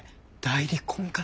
代理婚活！？